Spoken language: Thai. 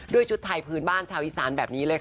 ด้วยชุดไทยพื้นบ้านชาวอีสานแบบนี้